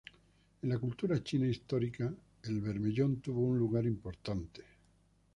En la cultura china histórica, el bermellón tuvo un lugar importante.